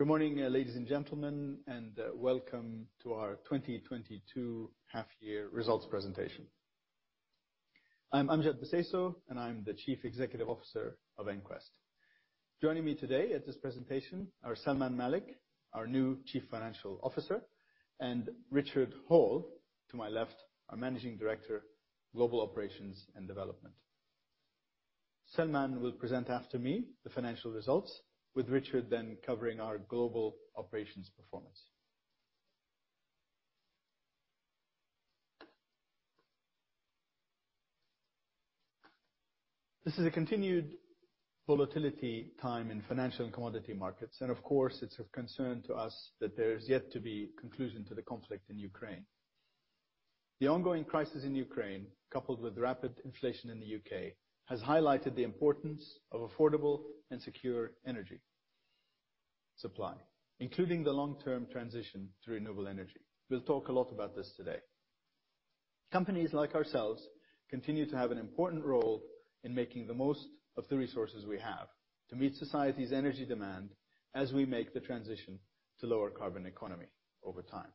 Good morning, ladies and gentlemen, and welcome to our 2022 Half Year Results Presentation. I'm Amjad Bseisu, and I'm the Chief Executive Officer of EnQuest. Joining me today at this presentation are Salman Malik, our new Chief Financial Officer, and Richard Hall, to my left, our Managing Director, Global Operations and Developments. Salman will present after me the financial results with Richard then covering our global operations performance. This is a continued volatility time in financial and commodity markets, and of course, it's of concern to us that there is yet to be conclusion to the conflict in Ukraine. The ongoing crisis in Ukraine, coupled with rapid inflation in the U.K., has highlighted the importance of affordable and secure energy supply, including the long-term transition to renewable energy. We'll talk a lot about this today. Companies like ourselves continue to have an important role in making the most of the resources we have to meet society's energy demand as we make the transition to lower carbon economy over time.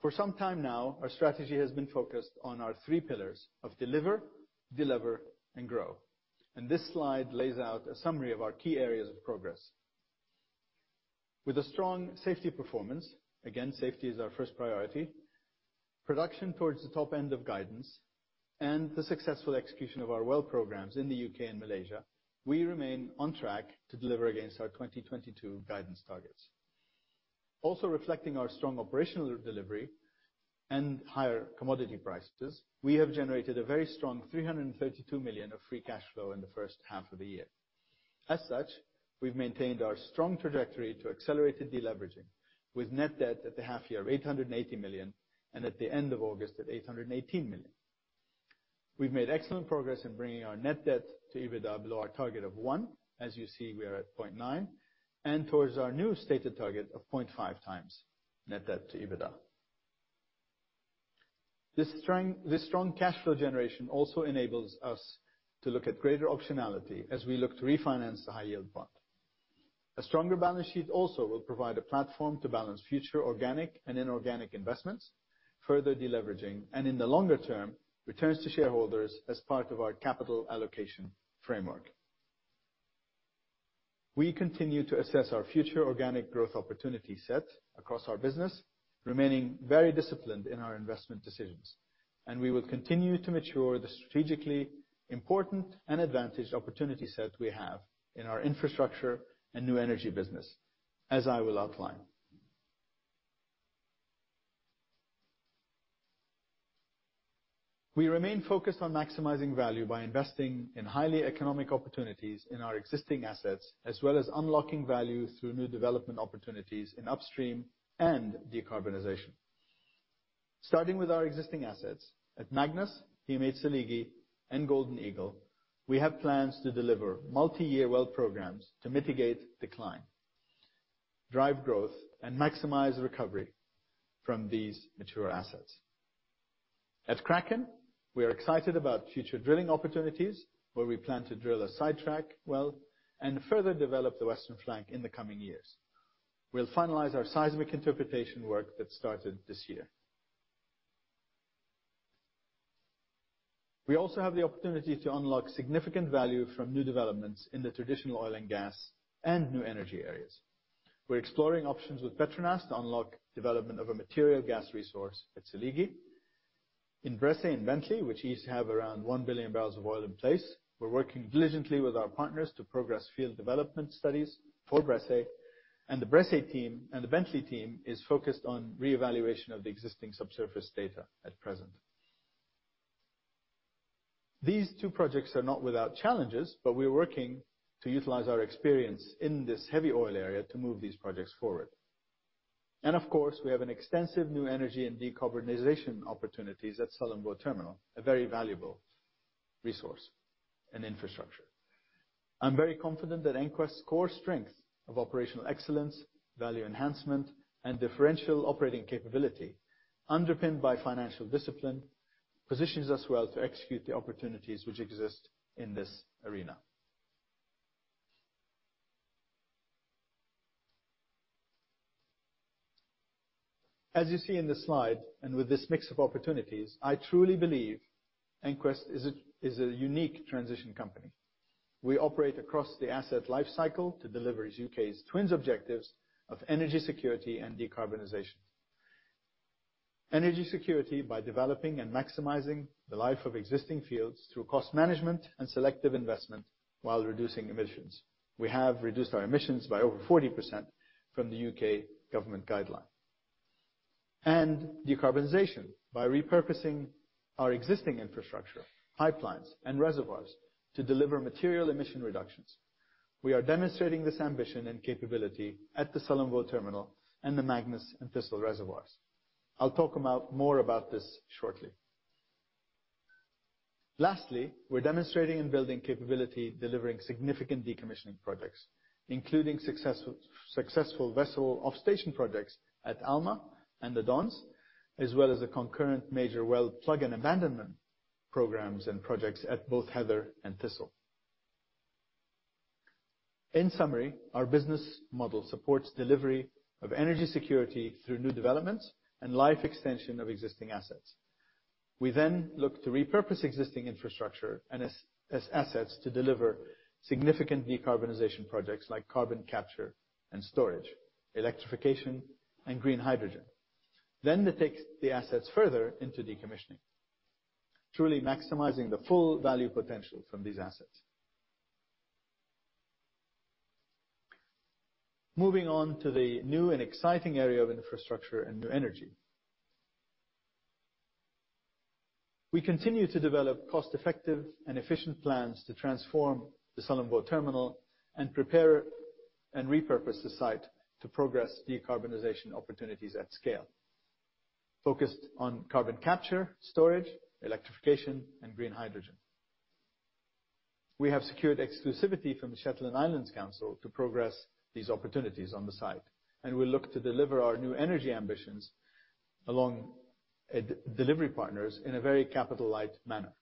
For some time now, our strategy has been focused on our three pillars of deliver, and grow. This slide lays out a summary of our key areas of progress. With a strong safety performance, again, safety is our first priority, production towards the top end of guidance, and the successful execution of our well programs in the U.K. and Malaysia, we remain on track to deliver against our 2022 guidance targets. Also reflecting our strong operational delivery and higher commodity prices, we have generated a very strong $332 million of free cash flow in the first half of the year. As such, we've maintained our strong trajectory to accelerated deleveraging with net debt at the half year $800 million and at the end of August at $818 million. We've made excellent progress in bringing our net debt to EBITDA below our target of 1. As you see, we are at 0.9. Towards our new stated target of 0.5x net debt to EBITDA. This strong cash flow generation also enables us to look at greater optionality as we look to refinance the high yield bond. A stronger balance sheet also will provide a platform to balance future organic and inorganic investments, further deleveraging, and in the longer term, returns to shareholders as part of our capital allocation framework. We continue to assess our future organic growth opportunity set across our business, remaining very disciplined in our investment decisions, and we will continue to mature the strategically important and advantaged opportunity set we have in our infrastructure and new energy business, as I will outline. We remain focused on maximizing value by investing in highly economic opportunities in our existing assets, as well as unlocking value through new development opportunities in upstream and decarbonization. Starting with our existing assets at Magnus, PM8/Seligi, and Golden Eagle, we have plans to deliver multi-year well programs to mitigate decline, drive growth, and maximize recovery from these mature assets. At Kraken, we are excited about future drilling opportunities where we plan to drill a sidetrack well and further develop the western flank in the coming years. We'll finalize our seismic interpretation work that started this year. We also have the opportunity to unlock significant value from new developments in the traditional oil and gas and new energy areas. We're exploring options with PETRONAS to unlock development of a material gas resource at Seligi. In Bressay and Bentley, which each have around 1 billion barrels of oil in place, we're working diligently with our partners to progress field development studies for Bressay. The Bressay team and the Bentley team is focused on reevaluation of the existing subsurface data at present. These two projects are not without challenges, but we're working to utilize our experience in this heavy oil area to move these projects forward. Of course, we have an extensive new energy and decarbonization opportunities at Sullom Voe terminal, a very valuable resource and infrastructure. I'm very confident that EnQuest's core strength of operational excellence, value enhancement, and differential operating capability, underpinned by financial discipline, positions us well to execute the opportunities which exist in this arena. As you see in the slide, and with this mix of opportunities, I truly believe EnQuest is a unique transition company. We operate across the asset life cycle to deliver U.K.'s twin objectives of energy security and decarbonization. Energy security by developing and maximizing the life of existing fields through cost management and selective investment while reducing emissions. We have reduced our emissions by over 40% from the U.K. Government guideline. Decarbonization by repurposing our existing infrastructure, pipelines, and reservoirs to deliver material emission reductions. We are demonstrating this ambition and capability at the Sullom Voe Terminal and the Magnus and Thistle reservoirs. I'll talk more about this shortly. Lastly, we're demonstrating and building capability delivering significant decommissioning projects, including successful vessel off station projects at Alma and the Dons, as well as the concurrent major well plug and abandonment programs and projects at both Heather and Thistle. In summary, our business model supports delivery of energy security through new developments and life extension of existing assets. We then look to repurpose existing infrastructure and assets to deliver significant decarbonization projects like carbon capture and storage, electrification, and green hydrogen. That takes the assets further into decommissioning, truly maximizing the full value potential from these assets. Moving on to the new and exciting area of infrastructure and new energy. We continue to develop cost-effective and efficient plans to transform the Sullom Voe Terminal and prepare and repurpose the site to progress decarbonization opportunities at scale, focused on carbon capture, storage, electrification, and green hydrogen. We have secured exclusivity from the Shetland Islands Council to progress these opportunities on the site, and we look to deliver our new energy ambitions alongside delivery partners in a very capital-light manner.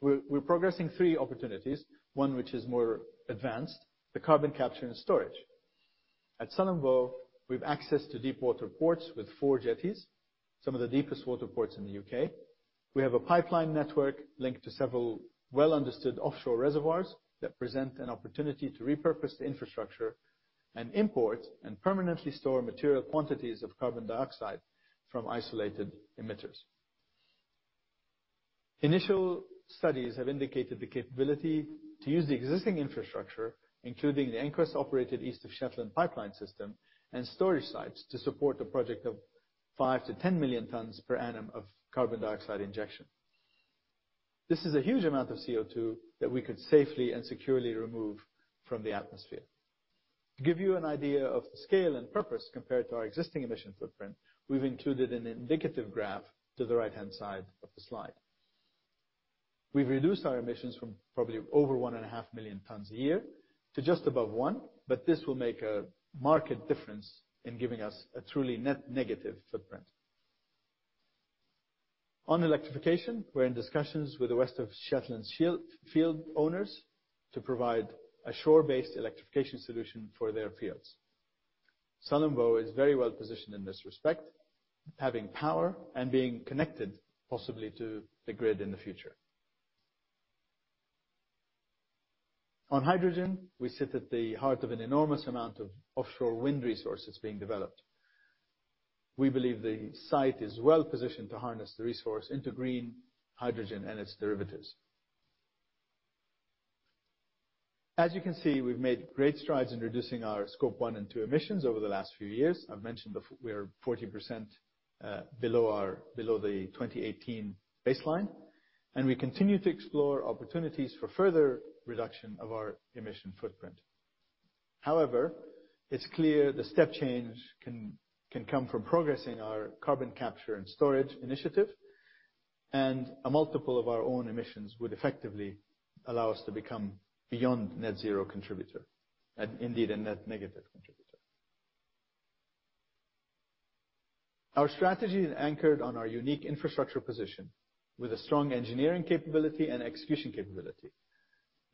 We're progressing three opportunities, one which is more advanced, the carbon capture and storage. At Sullom Voe, we've access to deep water ports with four jetties, some of the deepest water ports in the U.K. We have a pipeline network linked to several well understood offshore reservoirs that present an opportunity to repurpose the infrastructure and import and permanently store material quantities of carbon dioxide from isolated emitters. Initial studies have indicated the capability to use the existing infrastructure, including the EnQuest-operated East of Shetland pipeline system and storage sites to support the project of 5-10 million tons per annum of carbon dioxide injection. This is a huge amount of CO2 that we could safely and securely remove from the atmosphere. To give you an idea of the scale and purpose compared to our existing emission footprint, we've included an indicative graph to the right-hand side of the slide. We've reduced our emissions from probably over 1.5 million tons a year to just above 1, but this will make a marked difference in giving us a truly net negative footprint. On electrification, we're in discussions with the West of Shetland field owners to provide a shore-based electrification solution for their fields. Sullom Voe is very well positioned in this respect, having power and being connected possibly to the grid in the future. On hydrogen, we sit at the heart of an enormous amount of offshore wind resources being developed. We believe the site is well positioned to harness the resource into green hydrogen and its derivatives. As you can see, we've made great strides in reducing our scope one and two emissions over the last few years. I've mentioned we are 40% below the 2018 baseline, and we continue to explore opportunities for further reduction of our emission footprint. However, it's clear the step change can come from progressing our carbon capture and storage initiative, and a multiple of our own emissions would effectively allow us to become beyond net zero contributor, and indeed a net negative contributor. Our strategy is anchored on our unique infrastructure position with a strong engineering capability and execution capability.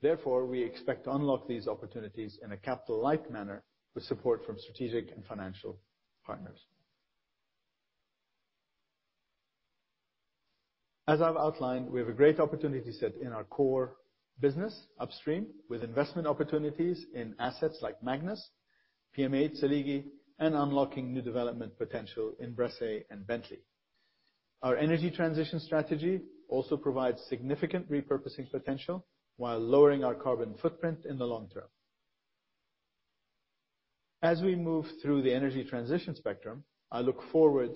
Therefore, we expect to unlock these opportunities in a capital-light manner with support from strategic and financial partners. As I've outlined, we have a great opportunity set in our core business upstream with investment opportunities in assets like Magnus, PM8/Seligi, and unlocking new development potential in Bressay and Bentley. Our energy transition strategy also provides significant repurposing potential while lowering our carbon footprint in the long term. As we move through the energy transition spectrum, I look forward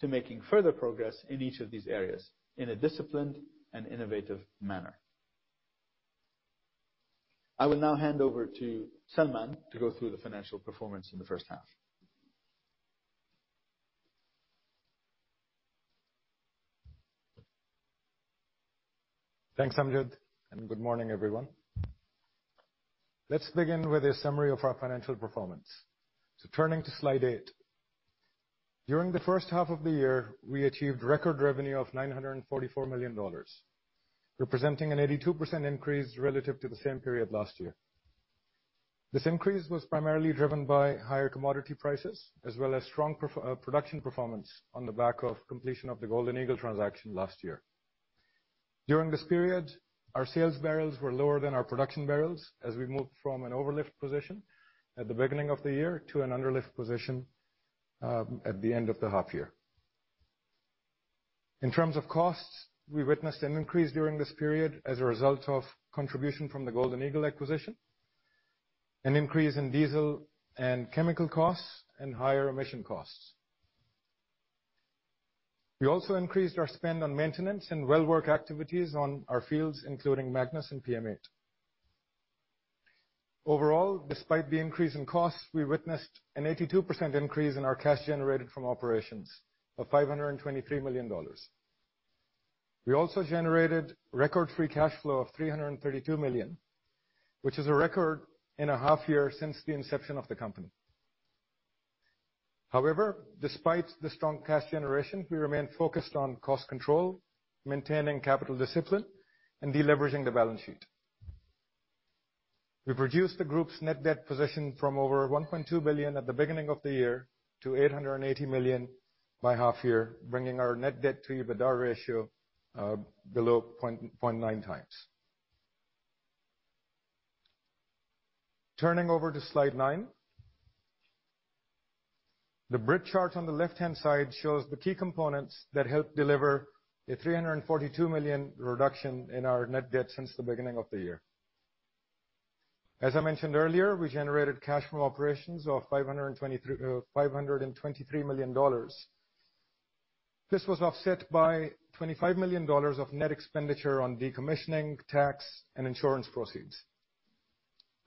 to making further progress in each of these areas in a disciplined and innovative manner. I will now hand over to Salman to go through the financial performance in the first half. Thanks, Amjad, and good morning, everyone. Let's begin with a summary of our financial performance. Turning to slide eight. During the first half of the year, we achieved record revenue of $944 million, representing an 82% increase relative to the same period last year. This increase was primarily driven by higher commodity prices as well as strong production performance on the back of completion of the Golden Eagle transaction last year. During this period, our sales barrels were lower than our production barrels as we moved from an over-lift position at the beginning of the year to an under-lift position at the end of the half year. In terms of costs, we witnessed an increase during this period as a result of contribution from the Golden Eagle acquisition, an increase in diesel and chemical costs, and higher emission costs. We also increased our spend on maintenance and well work activities on our fields, including Magnus and PM8. Overall, despite the increase in costs, we witnessed an 82% increase in our cash generated from operations of $523 million. We also generated record free cash flow of $332 million, which is a record in a half year since the inception of the company. However, despite the strong cash generation, we remain focused on cost control, maintaining capital discipline, and deleveraging the balance sheet. We've reduced the group's net debt position from over $1.2 billion at the beginning of the year to $880 million by half year, bringing our net debt to EBITDA ratio below 0.9x. Turning over to slide nine. The bridge chart on the left-hand side shows the key components that help deliver a $342 million reduction in our net debt since the beginning of the year. As I mentioned earlier, we generated cash from operations of $523 million. This was offset by $25 million of net expenditure on decommissioning tax and insurance proceeds.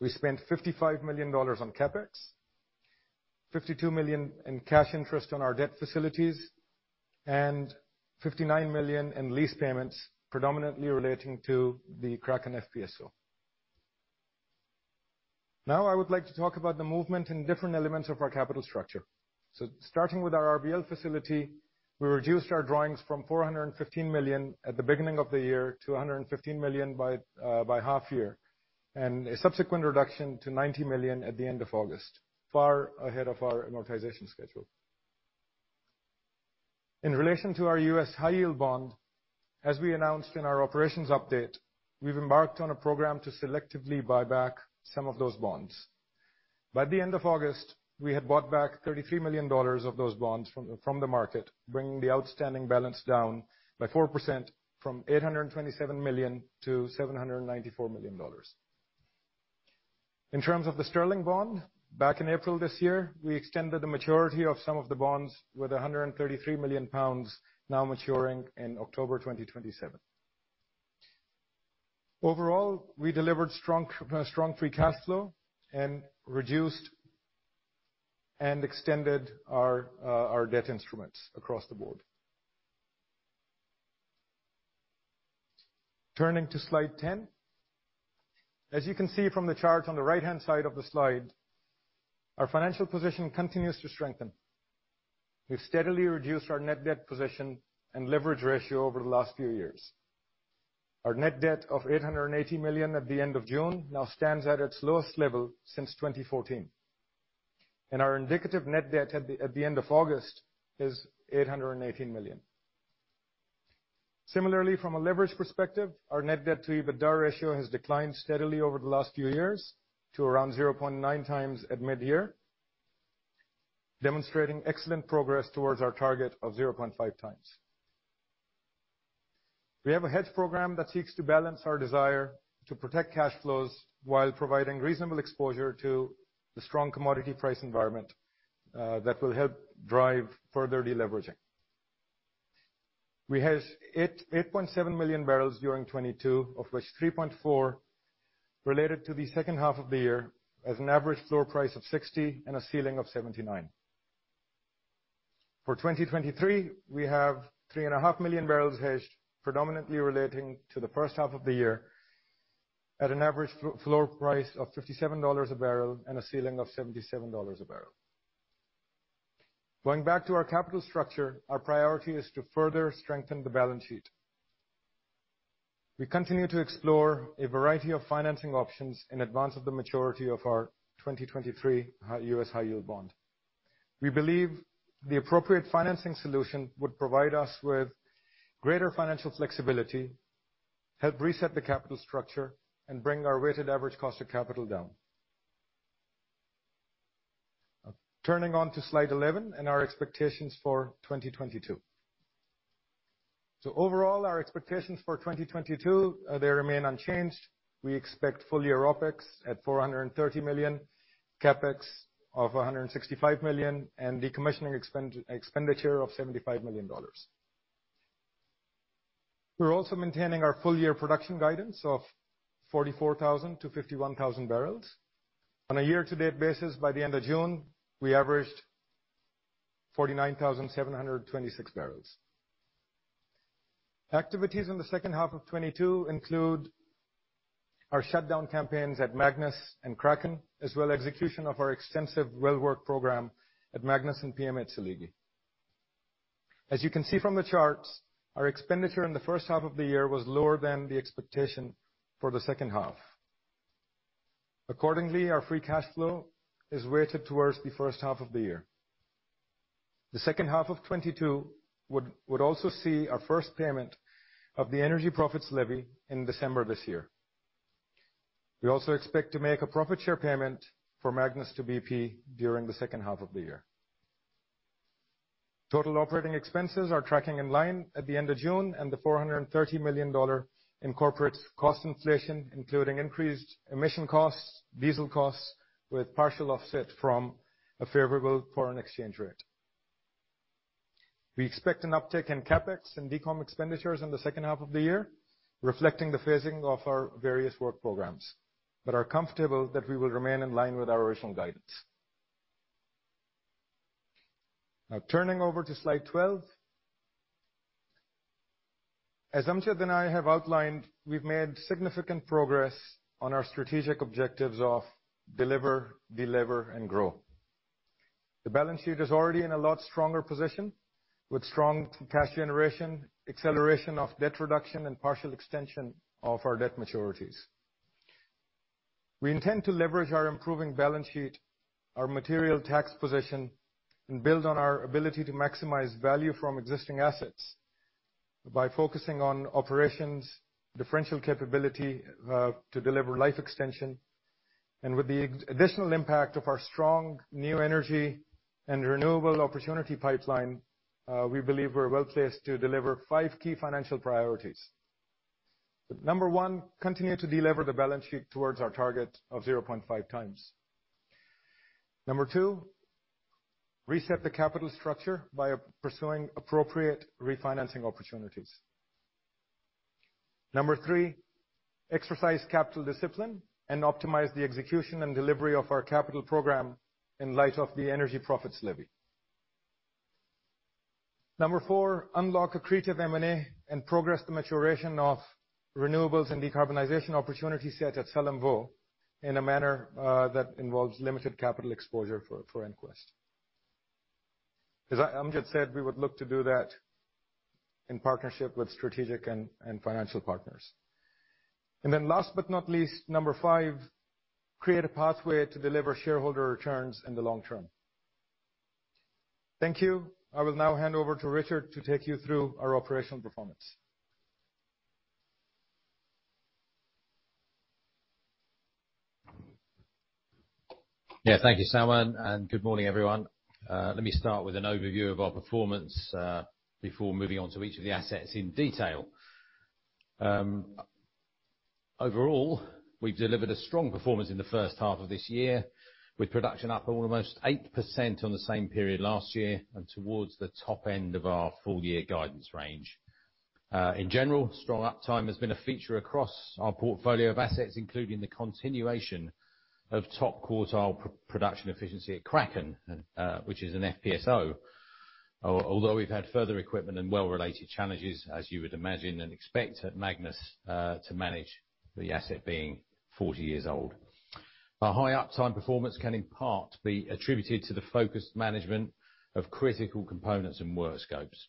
We spent $55 million on CapEx, $52 million in cash interest on our debt facilities, and $59 million in lease payments, predominantly relating to the Kraken FPSO. Now I would like to talk about the movement in different elements of our capital structure. Starting with our RBL facility, we reduced our drawings from $415 million at the beginning of the year to $115 million by half year, and a subsequent reduction to $90 million at the end of August, far ahead of our amortization schedule. In relation to our U.S. high yield bond, as we announced in our operations update, we've embarked on a program to selectively buy back some of those bonds. By the end of August, we had bought back $33 million of those bonds from the market, bringing the outstanding balance down by 4% from $827 million to $794 million. In terms of the Sterling bond, back in April this year, we extended the maturity of some of the bonds with 133 million pounds now maturing in October 2027. Overall, we delivered strong free cash flow and reduced and extended our debt instruments across the board. Turning to slide 10. As you can see from the chart on the right-hand side of the slide, our financial position continues to strengthen. We've steadily reduced our net debt position and leverage ratio over the last few years. Our net debt of $880 million at the end of June now stands at its lowest level since 2014. Our indicative net debt at the end of August is $880 million. Similarly, from a leverage perspective, our net debt to EBITDA ratio has declined steadily over the last few years to around 0.9x at mid-year, demonstrating excellent progress towards our target of 0.5x. We have a hedge program that seeks to balance our desire to protect cash flows while providing reasonable exposure to the strong commodity price environment, that will help drive further deleveraging. We hedged 8.7 million barrels during 2022, of which 3.4 related to the second half of the year as an average floor price of $60 and a ceiling of $79. For 2023, we have 3.5 million barrels hedged, predominantly relating to the first half of the year at an average floor price of $57 a barrel and a ceiling of $77 a barrel. Going back to our capital structure, our priority is to further strengthen the balance sheet. We continue to explore a variety of financing options in advance of the maturity of our 2023 high yield bond. We believe the appropriate financing solution would provide us with greater financial flexibility, help reset the capital structure, and bring our weighted average cost of capital down. Turning to slide 11 and our expectations for 2022. Overall, our expectations for 2022, they remain unchanged. We expect full year OpEx at $430 million, CapEx of $165 million, and decommissioning expenditure of $75 million. We're also maintaining our full year production guidance of 44,000-51,000 barrels. On a year-to-date basis by the end of June, we averaged 49,726 barrels. Activities in the second half of 2022 include our shutdown campaigns at Magnus and Kraken, as well as execution of our extensive well work program at Magnus and PM8/Seligi. As you can see from the charts, our expenditure in the first half of the year was lower than the expectation for the second half. Accordingly, our free cash flow is weighted towards the first half of the year. The second half of 2022 would also see our first payment of the energy profits levy in December this year. We also expect to make a profit share payment for Magnus to BP during the second half of the year. Total operating expenses are tracking in line at the end of June and the $430 million incorporates cost inflation, including increased emission costs, diesel costs with partial offset from a favorable foreign exchange rate. We expect an uptick in CapEx and DECOM expenditures in the second half of the year, reflecting the phasing of our various work programs, but are comfortable that we will remain in line with our original guidance. Now turning over to slide 12. As Amjad and I have outlined, we've made significant progress on our strategic objectives of deliver, delever, and grow. The balance sheet is already in a lot stronger position, with strong cash generation, acceleration of debt reduction, and partial extension of our debt maturities. We intend to leverage our improving balance sheet, our material tax position, and build on our ability to maximize value from existing assets by focusing on operations, differential capability, to deliver life extension. With the additional impact of our strong new energy and renewable opportunity pipeline, we believe we're well-placed to deliver five key financial priorities. Number one, continue to delever the balance sheet towards our target of 0.5x. Number two, reset the capital structure by pursuing appropriate refinancing opportunities. Number three, exercise capital discipline and optimize the execution and delivery of our capital program in light of the energy profits levy. Number four, unlock accretive M&A and progress the maturation of renewables and decarbonization opportunities set at Sullom Voe in a manner that involves limited capital exposure for EnQuest. As Amjad said, we would look to do that in partnership with strategic and financial partners. Last but not least, number five, create a pathway to deliver shareholder returns in the long term. Thank you. I will now hand over to Richard to take you through our operational performance. Yeah. Thank you, Salman, and good morning, everyone. Let me start with an overview of our performance, before moving on to each of the assets in detail. Overall, we've delivered a strong performance in the first half of this year, with production up almost 8% on the same period last year and towards the top end of our full year guidance range. In general, strong uptime has been a feature across our portfolio of assets, including the continuation of top-quartile production efficiency at Kraken, and which is an FPSO. Although we've had further equipment and well-related challenges, as you would imagine and expect at Magnus, to manage the asset being 40 years old. Our high uptime performance can in part be attributed to the focused management of critical components and work scopes.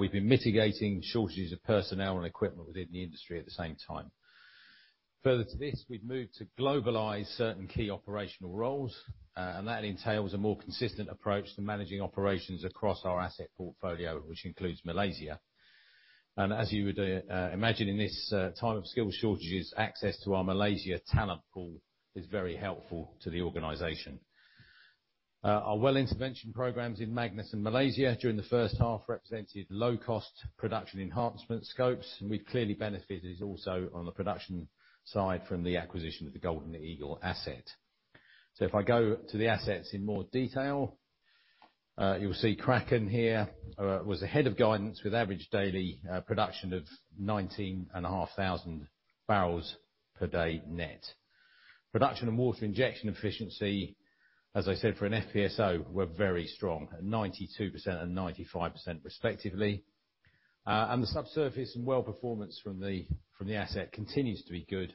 We've been mitigating shortages of personnel and equipment within the industry at the same time. Further to this, we've moved to globalize certain key operational roles, and that entails a more consistent approach to managing operations across our asset portfolio, which includes Malaysia. As you would imagine in this time of skill shortages, access to our Malaysia talent pool is very helpful to the organization. Our well intervention programs in Magnus and Malaysia during the first half represented low-cost production enhancement scopes, and we've clearly benefited also on the production side from the acquisition of the Golden Eagle asset. If I go to the assets in more detail, you'll see Kraken here was ahead of guidance with average daily production of 19.5 thousand barrels per day net. Production and water injection efficiency, as I said, for an FPSO, were very strong, at 92% and 95% respectively. The subsurface and well performance from the asset continues to be good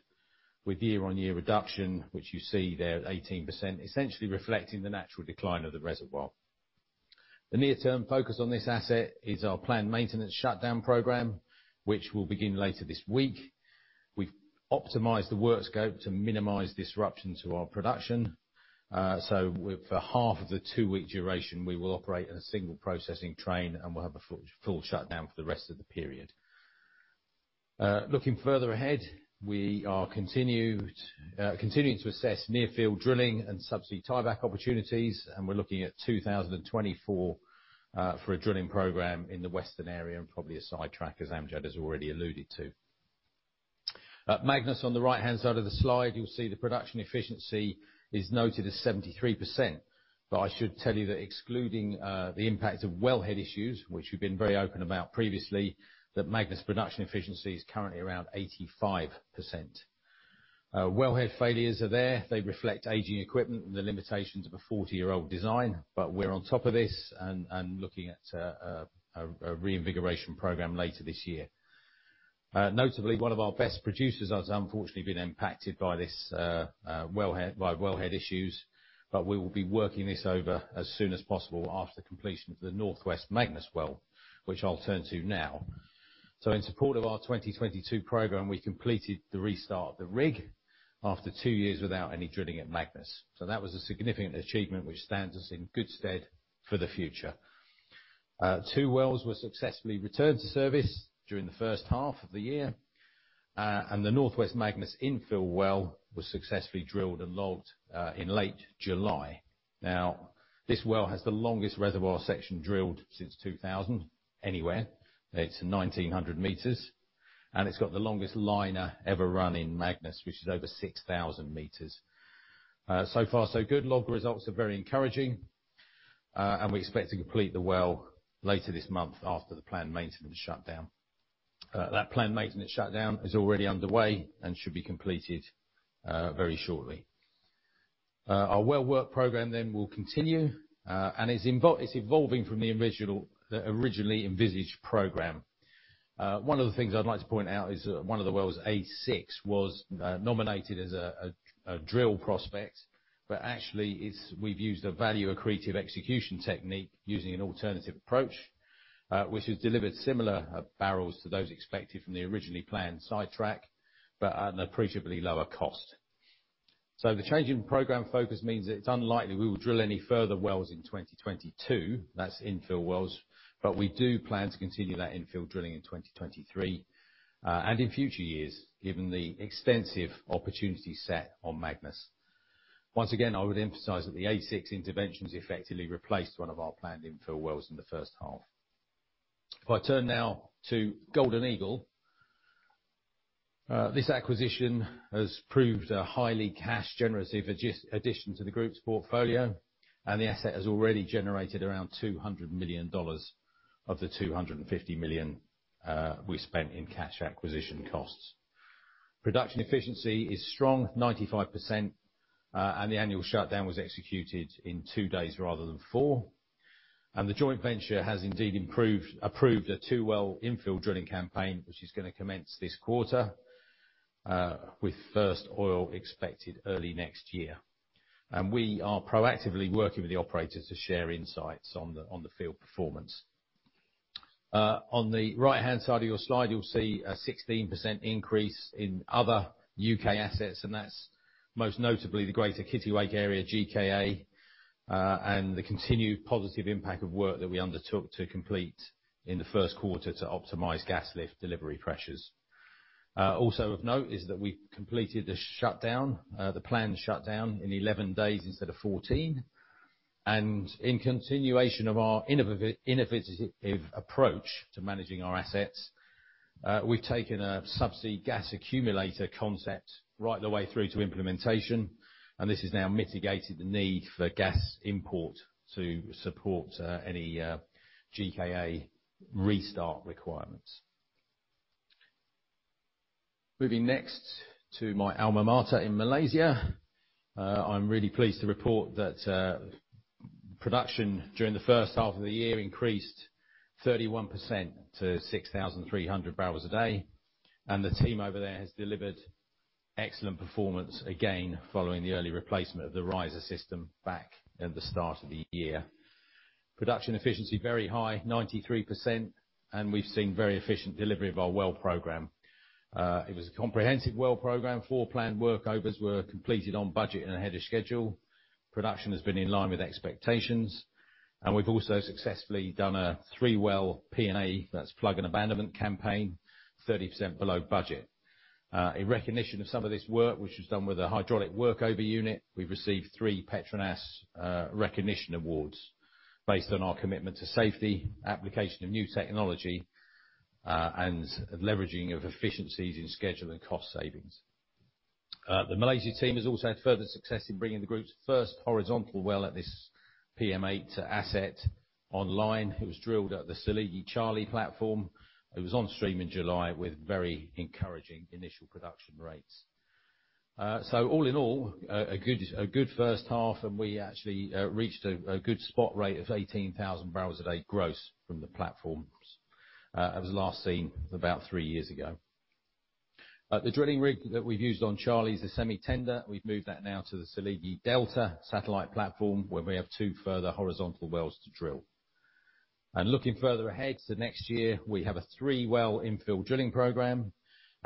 with year-on-year reduction, which you see there at 18%, essentially reflecting the natural decline of the reservoir. The near-term focus on this asset is our planned maintenance shutdown program, which will begin later this week. We've optimized the work scope to minimize disruption to our production. With half of the two-week duration, we will operate in a single processing train, and we'll have a full shutdown for the rest of the period. Looking further ahead, we are continuing to assess near-field drilling and subsea tieback opportunities, and we're looking at 2024 for a drilling program in the western area and probably a sidetrack, as Amjad has already alluded to. At Magnus, on the right-hand side of the slide, you'll see the production efficiency is noted as 73%. I should tell you that excluding the impact of well head issues, which we've been very open about previously, that Magnus production efficiency is currently around 85%. Well head failures are there. They reflect aging equipment and the limitations of a 40-year-old design, but we're on top of this and looking at a reinvigoration program later this year. Notably, one of our best producers has unfortunately been impacted by this wellhead issues, but we will be working this over as soon as possible after completion of the Northwest Magnus well, which I'll turn to now. In support of our 2022 program, we completed the restart of the rig after two years without any drilling at Magnus. That was a significant achievement, which stands us in good stead for the future. Two wells were successfully returned to service during the first half of the year, and the Northwest Magnus infill well was successfully drilled and logged in late July. Now, this well has the longest reservoir section drilled since 2000 anywhere. It's 1,900 meters, and it's got the longest liner ever run in Magnus, which is over 6,000 meters. So far, so good. Log results are very encouraging. We expect to complete the well later this month after the planned maintenance shutdown. That planned maintenance shutdown is already underway and should be completed very shortly. Our well work program then will continue, and it's evolving from the original, the originally envisaged program. One of the things I'd like to point out is that one of the wells, A6, was nominated as a drill prospect, but actually we've used a value-accretive execution technique using an alternative approach, which has delivered similar barrels to those expected from the originally planned sidetrack, but at an appreciably lower cost. The change in program focus means that it's unlikely we will drill any further wells in 2022, that's infill wells, but we do plan to continue that infill drilling in 2023, and in future years, given the extensive opportunity set on Magnus. Once again, I would emphasize that the A6 interventions effectively replaced one of our planned infill wells in the first half. If I turn now to Golden Eagle. This acquisition has proved a highly cash-generative addition to the group's portfolio, and the asset has already generated around $200 million of the $250 million we spent in cash acquisition costs. Production efficiency is strong, 95%, and the annual shutdown was executed in two days rather than four. The joint venture has indeed approved a two-well infill drilling campaign, which is gonna commence this quarter, with first oil expected early next year. We are proactively working with the operators to share insights on the field performance. On the right-hand side of your slide, you'll see a 16% increase in other U.K. assets, and that's most notably the Greater Kittiwake Area, GKA, and the continued positive impact of work that we undertook to complete in the first quarter to optimize gas lift delivery pressures. Also of note is that we completed the planned shutdown in 11 days instead of 14. In continuation of our innovative approach to managing our assets, we've taken a subsea gas accumulator concept right the way through to implementation, and this has now mitigated the need for gas import to support any GKA restart requirements. Moving next to my alma mater in Malaysia. I'm really pleased to report that production during the first half of the year increased 31% to 6,300 barrels a day, and the team over there has delivered excellent performance again following the early replacement of the riser system back at the start of the year. Production efficiency very high, 93%, and we've seen very efficient delivery of our well program. It was a comprehensive well program. Four planned workovers were completed on budget and ahead of schedule. Production has been in line with expectations, and we've also successfully done a three-well P&A, that's plug and abandonment campaign, 30% below budget. In recognition of some of this work, which was done with a hydraulic workover unit, we've received three PETRONAS recognition awards based on our commitment to safety, application of new technology, and leveraging of efficiencies in schedule and cost savings. The Malaysia team has also had further success in bringing the group's first horizontal well at this PM8 asset online. It was drilled at the Seligi Charlie platform. It was on stream in July with very encouraging initial production rates. All in all, a good first half, and we actually reached a good spot rate of 18,000 barrels a day gross from the platforms, as last seen about three years ago. The drilling rig that we've used on Charlie is a semi-tender. We've moved that now to the Seligi Delta satellite platform, where we have two further horizontal wells to drill. Looking further ahead to next year, we have a three-well infill drilling program,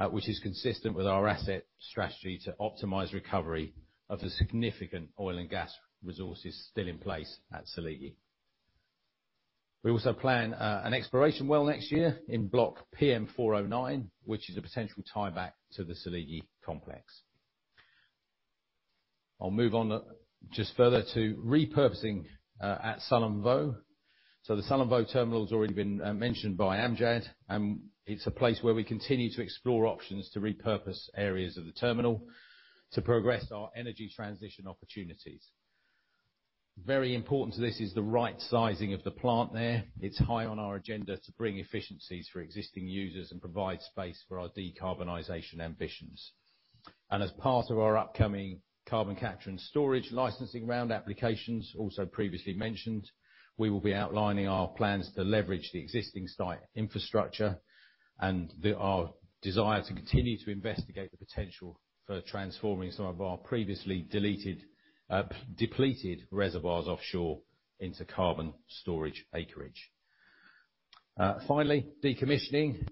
which is consistent with our asset strategy to optimize recovery of the significant oil and gas resources still in place at Seligi. We also plan an exploration well next year in Block PM409, which is a potential tieback to the Seligi complex. I'll move on just further to repurposing at Sullom Voe. The Sullom Voe terminal's already been mentioned by Amjad, and it's a place where we continue to explore options to repurpose areas of the terminal to progress our energy transition opportunities. Very important to this is the right sizing of the plant there. It's high on our agenda to bring efficiencies for existing users and provide space for our decarbonization ambitions. As part of our upcoming carbon capture and storage licensing round applications, also previously mentioned, we will be outlining our plans to leverage the existing site infrastructure and our desire to continue to investigate the potential for transforming some of our previously depleted reservoirs offshore into carbon storage acreage. Finally, decommissioning.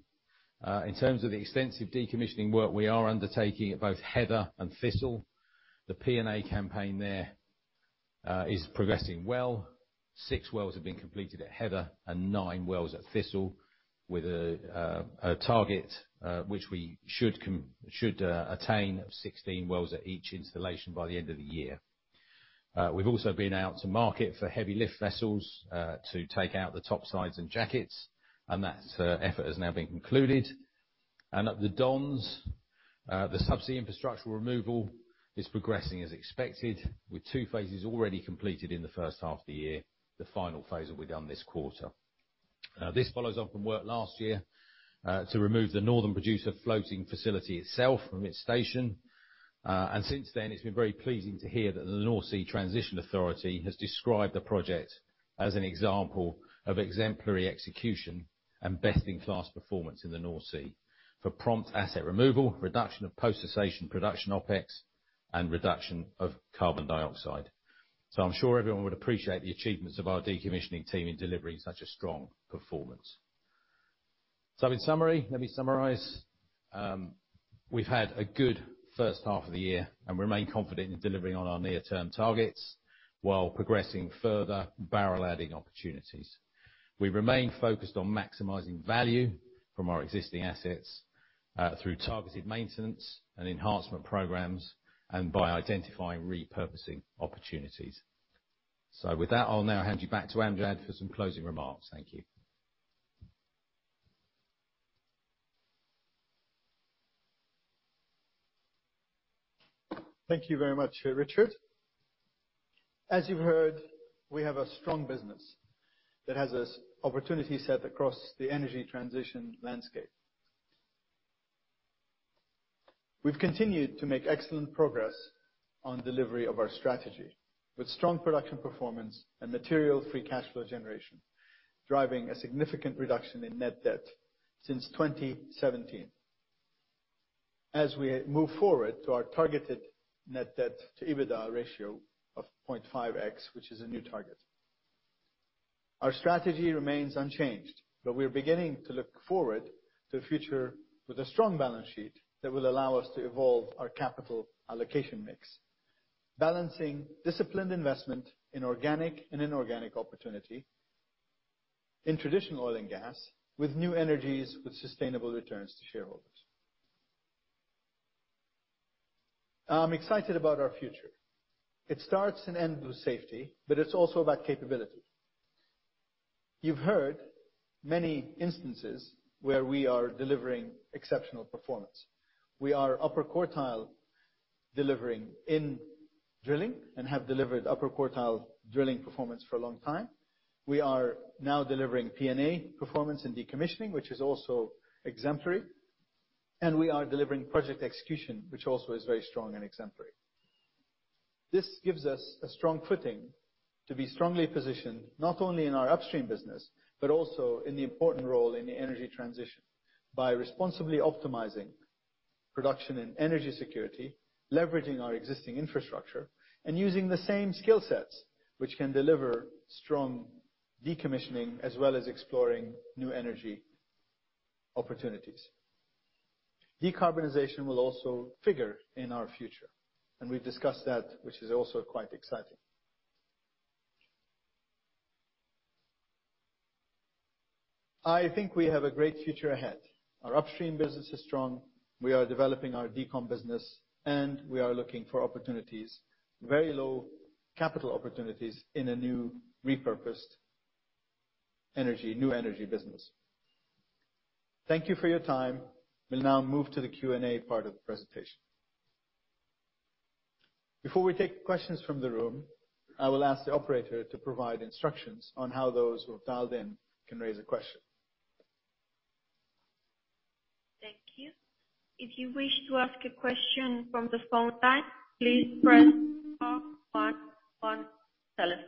In terms of the extensive decommissioning work we are undertaking at both Heather and Thistle, the P&A campaign there is progressing well. Six wells have been completed at Heather and nine wells at Thistle, with a target which we should attain of 16 wells at each installation by the end of the year. We've also been out to market for heavy lift vessels to take out the topsides and jackets, and that effort has now been concluded. At the Dons, the subsea infrastructure removal is progressing as expected, with two phases already completed in the first half of the year. The final phase will be done this quarter. Now this follows up from work last year to remove the Northern Producer floating facility itself from its station. Since then, it's been very pleasing to hear that the North Sea Transition Authority has described the project as an example of exemplary execution and best-in-class performance in the North Sea for prompt asset removal, reduction of post cessation production OpEx, and reduction of carbon dioxide. I'm sure everyone would appreciate the achievements of our decommissioning team in delivering such a strong performance. In summary, let me summarize. We've had a good first half of the year and remain confident in delivering on our near-term targets while progressing further barrel-adding opportunities. We remain focused on maximizing value from our existing assets, through targeted maintenance and enhancement programs and by identifying repurposing opportunities. With that, I'll now hand you back to Amjad for some closing remarks. Thank you. Thank you very much, Richard. As you've heard, we have a strong business that has this opportunity set across the energy transition landscape. We've continued to make excellent progress on delivery of our strategy with strong production performance and material free cash flow generation, driving a significant reduction in net debt since 2017. As we move forward to our targeted net debt to EBITDA ratio of 0.5x, which is a new target. Our strategy remains unchanged, but we are beginning to look forward to a future with a strong balance sheet that will allow us to evolve our capital allocation mix. Balancing disciplined investment in organic and inorganic opportunity in traditional oil and gas with new energies, with sustainable returns to shareholders. I'm excited about our future. It starts and ends with safety, but it's also about capability. You've heard many instances where we are delivering exceptional performance. We are upper quartile delivering in drilling and have delivered upper quartile drilling performance for a long time. We are now delivering P&A performance and decommissioning, which is also exemplary, and we are delivering project execution, which also is very strong and exemplary. This gives us a strong footing to be strongly positioned, not only in our upstream business, but also in the important role in the energy transition by responsibly optimizing production and energy security, leveraging our existing infrastructure, and using the same skill sets, which can deliver strong decommissioning as well as exploring new energy opportunities. Decarbonization will also figure in our future, and we've discussed that, which is also quite exciting. I think we have a great future ahead. Our upstream business is strong. We are developing our DECOM business, and we are looking for opportunities, very low capital opportunities in a new repurposed energy, new energy business. Thank you for your time. We'll now move to the Q&A part of the presentation. Before we take questions from the room, I will ask the operator to provide instructions on how those who have dialed in can raise a question. Thank you. If you wish to ask a question from the phone line, please press star one on telephone.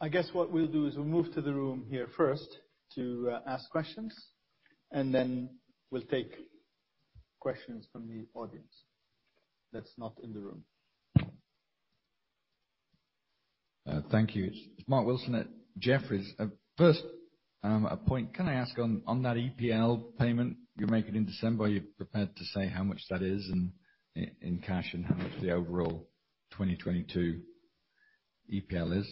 I guess what we'll do is we'll move to the room here first to ask questions, and then we'll take questions from the audience that's not in the room. Thank you. It's Mark Wilson at Jefferies. First, a point. Can I ask on that EPL payment you're making in December? Are you prepared to say how much that is in cash and how much the overall 2022 EPL is?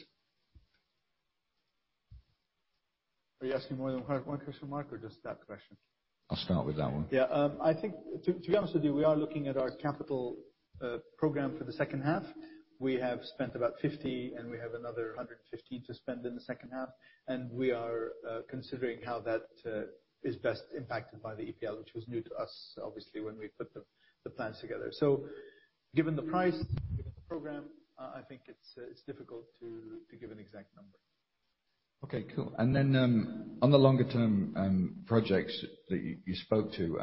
Are you asking more than one question, Mark, or just that question? I'll start with that one. Yeah. I think to be honest with you, we are looking at our capital program for the second half. We have spent about $50 million, and we have another $115 million to spend in the second half. We are considering how that is best impacted by the EPL, which was new to us, obviously, when we put the plans together. Given the price, given the program, I think it's difficult to give an exact number. Okay, cool. On the longer term projects that you spoke to,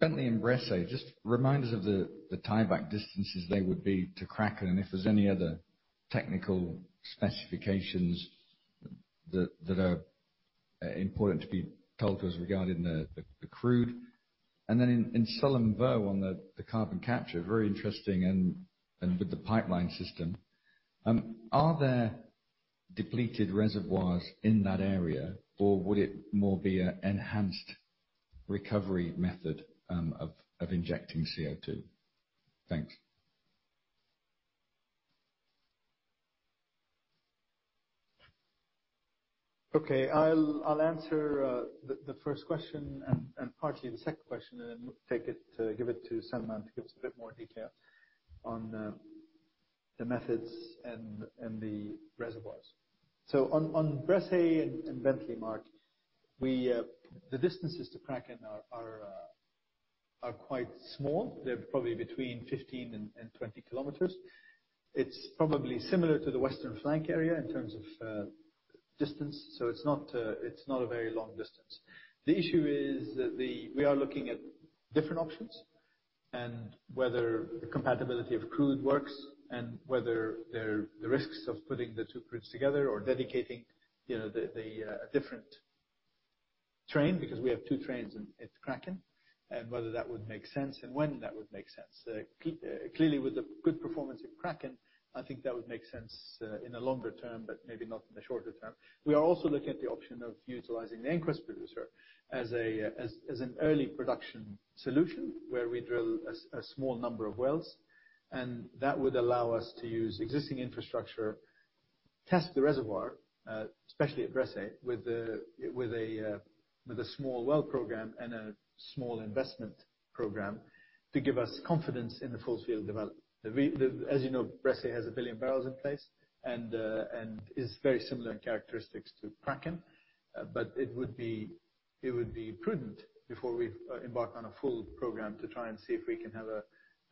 Bressay, just remind us of the tieback distances they would be to Kraken and if there's any other technical specifications that are important to be told to us regarding the crude. In Sullom Voe on the carbon capture, very interesting and with the pipeline system, are there depleted reservoirs in that area, or would it more be an enhanced recovery method of injecting CO2? Thanks. I'll answer the first question and partly the second question and then take it to give it to Salman to give us a bit more detail on the methods and the reservoirs. On Bressay and Bentley, Mark, we the distances to Kraken are quite small. They're probably between 15 and 20 kilometers. It's probably similar to the Western Flank area in terms of distance, so it's not a very long distance. The issue is that we are looking at different options and whether the compatibility of crude works, and whether the risks of putting the two groups together or dedicating, you know, a different train, because we have two trains at Kraken, and whether that would make sense and when that would make sense. Clearly with the good performance at Kraken, I think that would make sense in the longer term, but maybe not in the shorter term. We are also looking at the option of utilizing the EnQuest Producer as an early production solution where we drill a small number of wells, and that would allow us to use existing infrastructure, test the reservoir, especially at Bressay, with a small well program and a small investment program to give us confidence in the full field development. As you know, Bressay has 1 billion barrels in place and is very similar in characteristics to Kraken. It would be prudent before we embark on a full program to try and see if we can have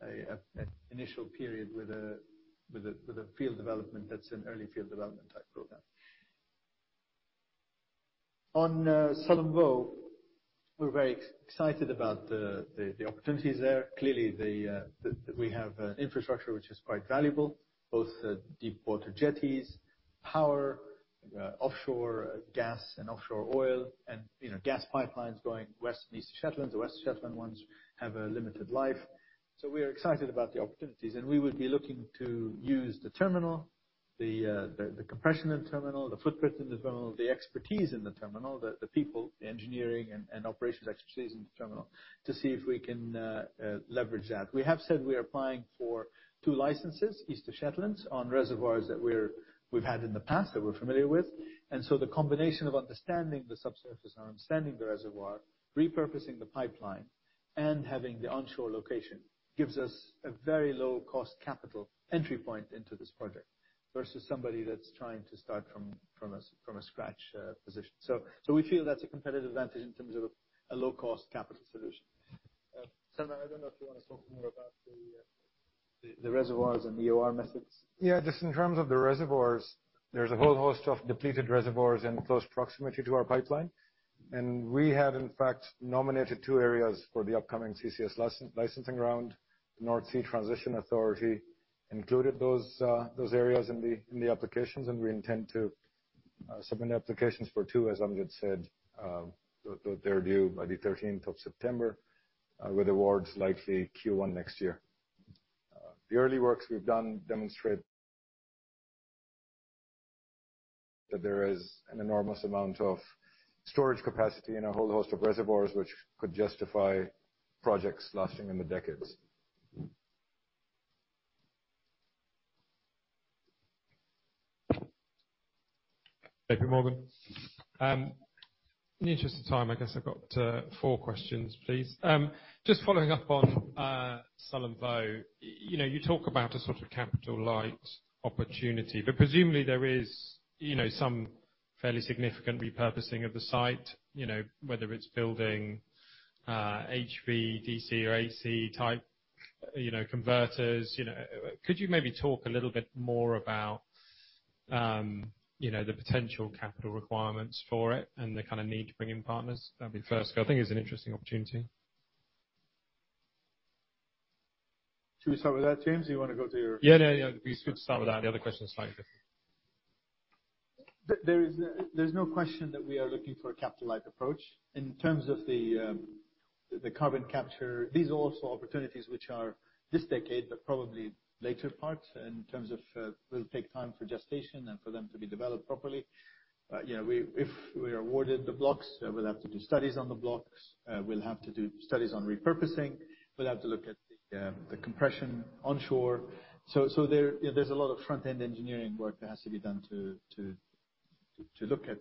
an initial period with a field development that's an early field development type program. On Sullom Voe, we're very excited about the opportunities there. Clearly, we have infrastructure which is quite valuable, both deepwater jetties, power, offshore gas and offshore oil and, you know, gas pipelines going west and east of Shetland. The west of Shetland ones have a limited life. We are excited about the opportunities, and we will be looking to use the terminal, the compression in the terminal, the footprint in the terminal, the expertise in the terminal, the people, the engineering and operations expertise in the terminal to see if we can leverage that. We have said we are applying for two licenses east of Shetlands on reservoirs that we've had in the past that we're familiar with. The combination of understanding the subsurface and understanding the reservoir, repurposing the pipeline, and having the onshore location gives us a very low cost capital entry point into this project, versus somebody that's trying to start from a scratch position. We feel that's a competitive advantage in terms of a low cost capital solution. Salman, I don't know if you wanna talk more about the reservoirs and the OR methods. Yeah. Just in terms of the reservoirs, there's a whole host of depleted reservoirs in close proximity to our pipeline. We have in fact nominated two areas for the upcoming CCS licensing round. The North Sea Transition Authority included those areas in the applications, and we intend to submit applications for two, as Amjad said. They're due by the 13th of September, with awards likely Q1 next year. The early works we've done demonstrate that there is an enormous amount of storage capacity in a whole host of reservoirs which could justify projects lasting into decades. JPMorgan. In the interest of time, I guess I've got four questions, please. Just following up on Sullom Voe. You know, you talk about a sort of capital light opportunity, but presumably there is, you know, some fairly significant repurposing of the site, you know, whether it's building HVDC or AC type, you know, converters, you know. Could you maybe talk a little bit more about, you know, the potential capital requirements for it and the kinda need to bring in partners? That'd be first. I think it's an interesting opportunity. Should we start with that, James? Or you wanna go to? Yeah. No, yeah. It'd be good to start with that. The other question's slightly different. There is no question that we are looking for a capital light approach. In terms of the carbon capture, these are also opportunities which are this decade, but probably later part in terms of, will take time for gestation and for them to be developed properly. You know, if we are awarded the blocks, we'll have to do studies on the blocks. We'll have to do studies on repurposing. We'll have to look at the compression onshore. There, you know, there's a lot of front-end engineering work that has to be done to look at,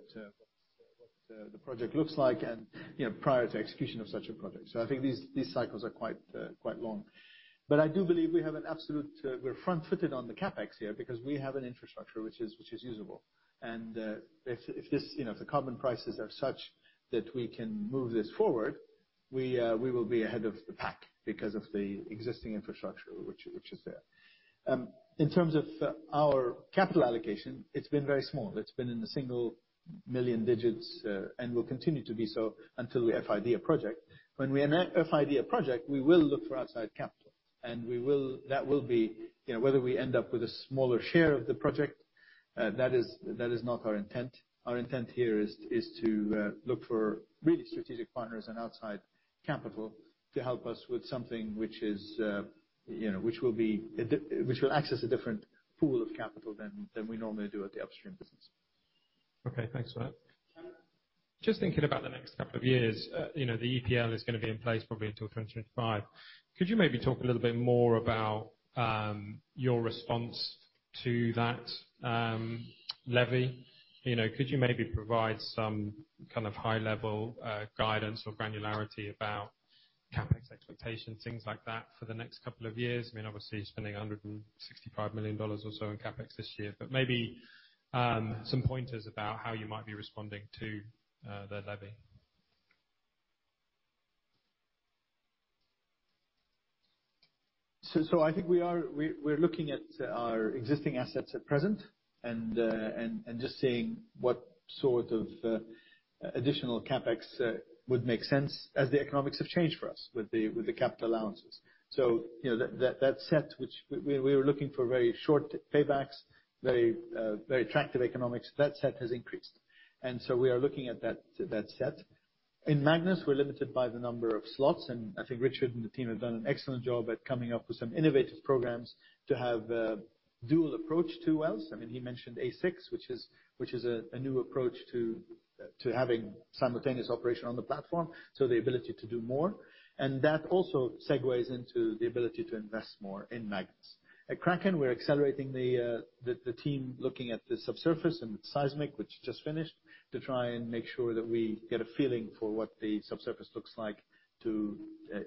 what the project looks like and, you know, prior to execution of such a project. I think these cycles are quite long. I do believe we have an absolute, we're front-footed on the CapEx here because we have an infrastructure which is usable. If this, you know, if the carbon prices are such that we can move this forward, we will be ahead of the pack because of the existing infrastructure which is there. In terms of our capital allocation, it's been very small. It's been in the single-digit millions, and will continue to be so until we FID a project. When we FID a project, we will look for outside capital, and that will be, you know, whether we end up with a smaller share of the project, that is not our intent. Our intent here is to look for really strategic partners and outside capital to help us with something which is, you know, which will access a different pool of capital than we normally do at the upstream business. Okay. Thanks for that. Just thinking about the next couple of years, you know, the EPL is gonna be in place probably until 2025. Could you maybe talk a little bit more about your response to that levy, you know, could you maybe provide some kind of high level guidance or granularity about CapEx expectations, things like that for the next couple of years? I mean, obviously you're spending $165 million or so on CapEx this year, but maybe some pointers about how you might be responding to the levy. I think we're looking at our existing assets at present and just seeing what sort of additional CapEx would make sense as the economics have changed for us with the capital allowances. You know, that set, which we were looking for very short paybacks, very attractive economics, that set has increased. We are looking at that set. In Magnus, we're limited by the number of slots, and I think Richard and the team have done an excellent job at coming up with some innovative programs to have a dual approach to wells. I mean, he mentioned A6, which is a new approach to having simultaneous operation on the platform, so the ability to do more. That also segues into the ability to invest more in Magnus. At Kraken, we're accelerating the team looking at the subsurface and seismic, which just finished, to try and make sure that we get a feeling for what the subsurface looks like, you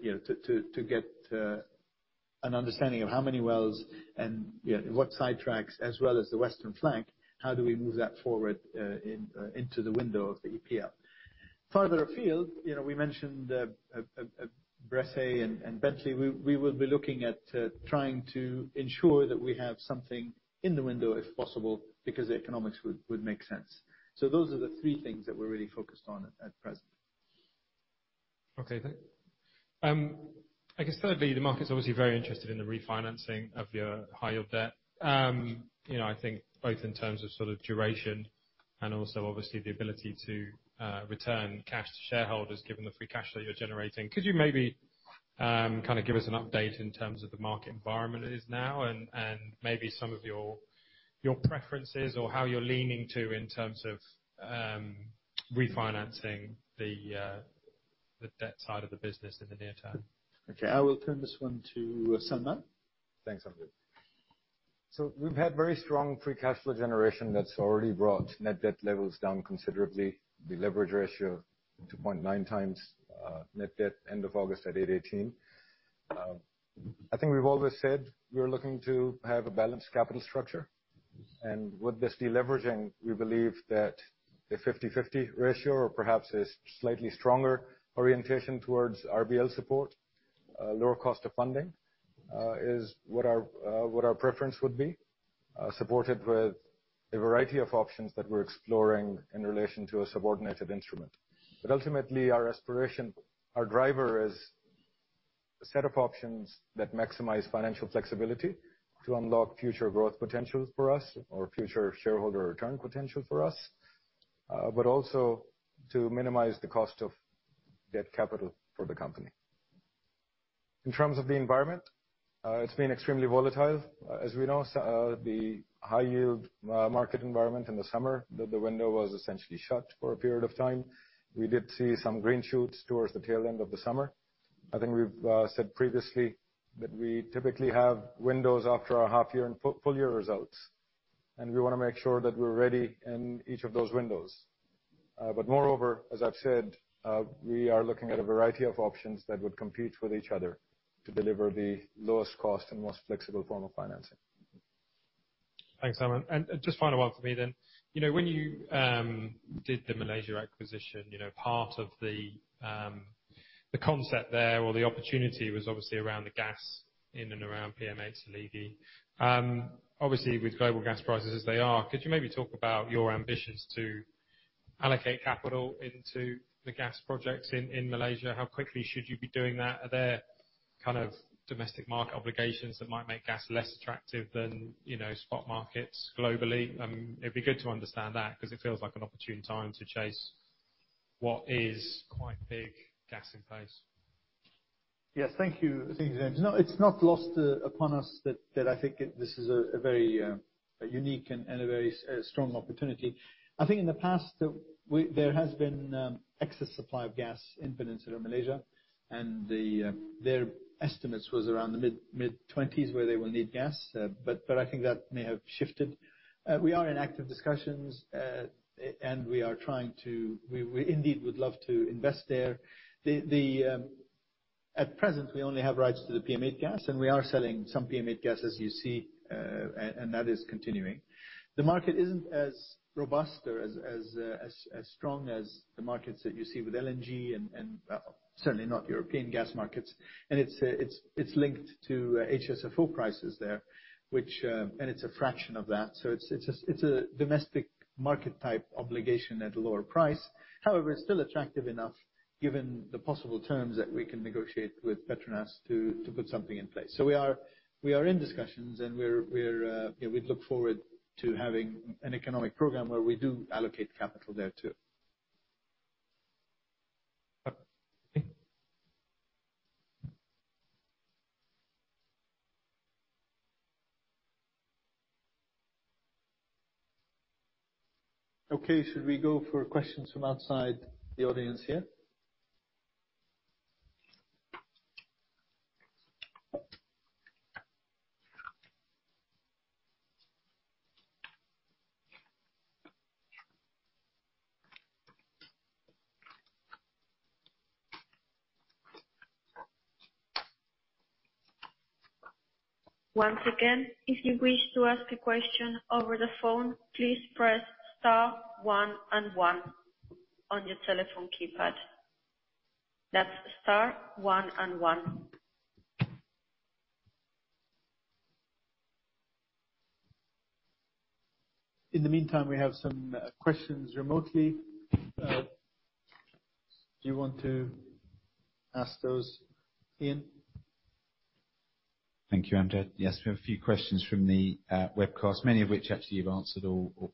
know, to get an understanding of how many wells and, you know, what sidetracks as well as the western flank, how do we move that forward into the window of the EPL. Farther afield, you know, we mentioned Bressay and Bentley, we will be looking at trying to ensure that we have something in the window if possible, because the economics would make sense. Those are the three things that we're really focused on at present. Okay, thanks. I guess thirdly, the market's obviously very interested in the refinancing of your high yield debt. You know, I think both in terms of sort of duration and also obviously the ability to return cash to shareholders given the free cash that you're generating. Could you maybe kind of give us an update in terms of the market environment it is now and maybe some of your preferences or how you're leaning to in terms of refinancing the debt side of the business in the near term? Okay. I will turn this one to Salman. Thanks, Amjad. We've had very strong free cash flow generation that's already brought net debt levels down considerably. The leverage ratio 2.9x, net debt end of August at $818. I think we've always said we are looking to have a balanced capital structure. With this deleveraging, we believe that a 50/50 ratio or perhaps a slightly stronger orientation towards RBL support, lower cost of funding, is what our preference would be, supported with a variety of options that we're exploring in relation to a subordinated instrument. Ultimately, our aspiration, our driver is a set of options that maximize financial flexibility to unlock future growth potentials for us or future shareholder return potential for us, but also to minimize the cost of debt capital for the company. In terms of the environment, it's been extremely volatile. As we know, the high-yield market environment in the summer, the window was essentially shut for a period of time. We did see some green shoots towards the tail end of the summer. I think we've said previously that we typically have windows after our half year and full year results, and we wanna make sure that we're ready in each of those windows. Moreover, as I've said, we are looking at a variety of options that would compete with each other to deliver the lowest cost and most flexible form of financing. Thanks, Salman. Just final one for me then. You know, when you did the Malaysia acquisition, you know, part of the concept there or the opportunity was obviously around the gas in and around PM8/Seligi. Obviously, with global gas prices as they are, could you maybe talk about your ambitions to allocate capital into the gas projects in Malaysia? How quickly should you be doing that? Are there kind of domestic market obligations that might make gas less attractive than, you know, spot markets globally? It'd be good to understand that because it feels like an opportune time to chase what is quite big gas in place. Yes. Thank you. Thank you, James. No, it's not lost upon us that this is a very unique and a very strong opportunity. I think in the past, there has been excess supply of gas in Peninsular Malaysia, and their estimates was around the mid-twenties where they will need gas. But I think that may have shifted. We are in active discussions, and we indeed would love to invest there. At present, we only have rights to the PM8 gas, and we are selling some PM8 gas, as you see, and that is continuing. The market isn't as robust or as strong as the markets that you see with LNG and certainly not European gas markets. It's linked to HSFO prices there, which. It's a fraction of that. It's a domestic market type obligation at a lower price. However, it's still attractive enough given the possible terms that we can negotiate with PETRONAS to put something in place. We are in discussions, and we're, you know, we look forward to having an economic program where we do allocate capital there too. Okay. Okay. Should we go for questions from outside the audience here? Once again, if you wish to ask a question over the phone, please press star one and one on your telephone keypad. That's star one and one. In the meantime, we have some questions remotely. Do you want to ask those, Ian? Thank you, Amjad. Yes, we have a few questions from the webcast, many of which actually you've answered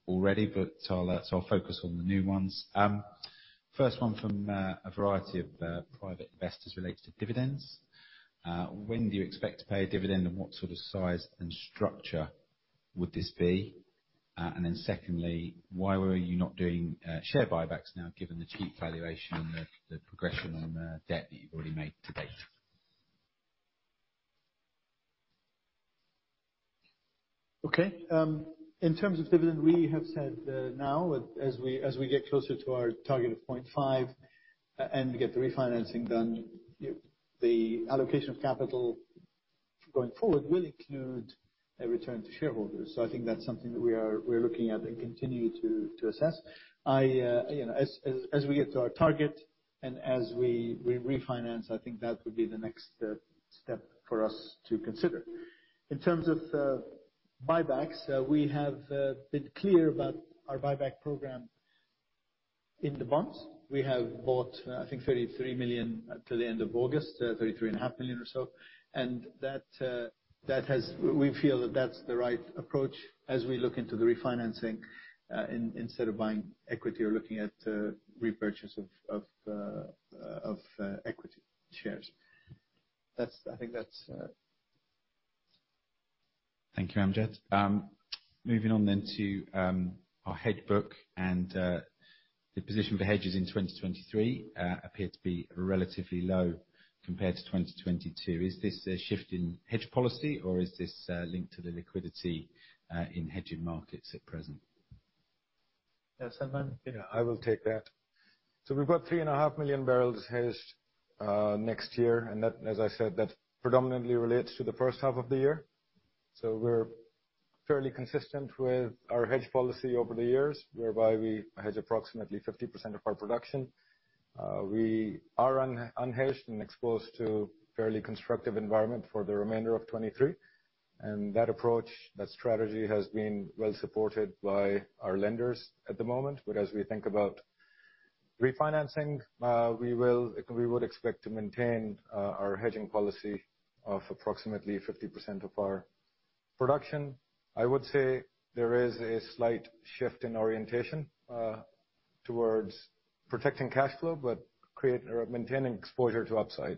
already, but so I'll focus on the new ones. First one from a variety of private investors relates to dividends. When do you expect to pay a dividend, and what sort of size and structure would this be? Secondly, why were you not doing share buybacks now, given the cheap valuation and the progression on the debt that you've already made to date? Okay. In terms of dividend, we have said that now as we get closer to our target of 0.5 and get the refinancing done, the allocation of capital going forward will include a return to shareholders. I think that's something that we're looking at and continue to assess. You know, as we get to our target and as we refinance, I think that would be the next step for us to consider. In terms of buybacks, we have been clear about our buyback program in advance. We have bought, I think 33 million up to the end of August, 33.5 million or so. That has... We feel that that's the right approach as we look into the refinancing, instead of buying equity or looking at repurchase of equity shares. That's. I think that's. Thank you, Amjad. Moving on to our hedge book and the position for hedges in 2023 appear to be relatively low compared to 2022. Is this a shift in hedge policy, or is this linked to the liquidity in hedging markets at present? Yeah, Salman? Yeah, I will take that. We've got 3.5 million barrels hedged next year, and that, as I said, predominantly relates to the first half of the year. We're fairly consistent with our hedge policy over the years, whereby we hedge approximately 50% of our production. We are unhedged and exposed to fairly constructive environment for the remainder of 2023. That approach, that strategy, has been well supported by our lenders at the moment. As we think about refinancing, we would expect to maintain our hedging policy of approximately 50% of our production. I would say there is a slight shift in orientation towards protecting cash flow, but create or maintaining exposure to upside.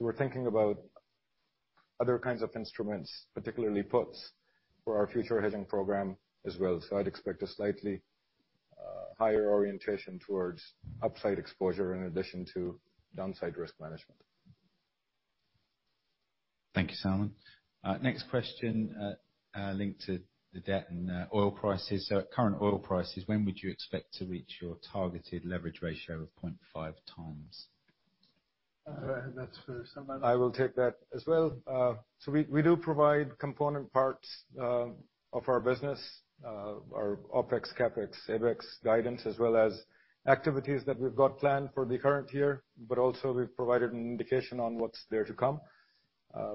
We're thinking about other kinds of instruments, particularly puts, for our future hedging program as well. I'd expect a slightly higher orientation towards upside exposure in addition to downside risk management. Thank you, Salman. Next question, linked to the debt and oil prices. At current oil prices, when would you expect to reach your targeted leverage ratio of 0.5x? That's for Salman. I will take that as well. We do provide component parts of our business our OpEx, CapEx, Abex guidance, as well as activities that we've got planned for the current year, but also we've provided an indication on what's there to come.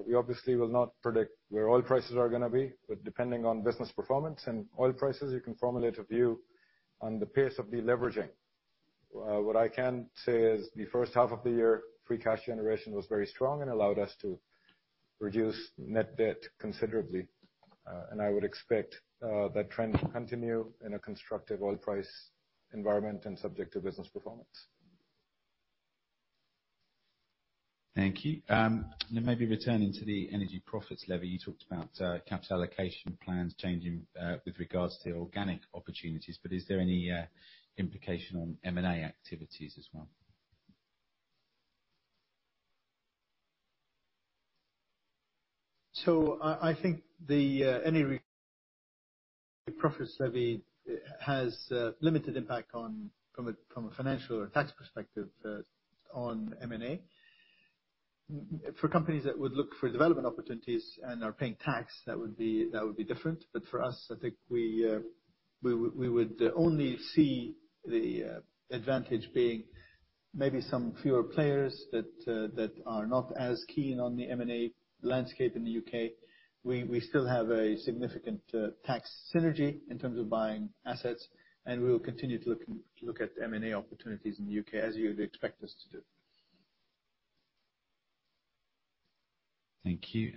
We obviously will not predict where oil prices are gonna be, but depending on business performance and oil prices, you can formulate a view on the pace of deleveraging. What I can say is the first half of the year, free cash generation was very strong and allowed us to reduce net debt considerably. I would expect that trend to continue in a constructive oil price environment and subject to business performance. Thank you. Maybe returning to the energy profits levy. You talked about capital allocation plans changing with regards to the organic opportunities, but is there any implication on M&A activities as well? I think the energy profits levy has limited impact from a financial or tax perspective on M&A. For companies that would look for development opportunities and are paying tax, that would be different. For us, I think we would only see the advantage being maybe some fewer players that are not as keen on the M&A landscape in the U.K. We still have a significant tax synergy in terms of buying assets, and we will continue to look at M&A opportunities in the U.K. as you would expect us to do. Thank you.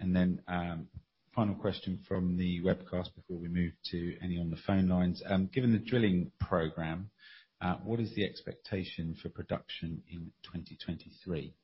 Final question from the webcast before we move to any on the phone lines. Given the drilling program, what is the expectation for production in 2023?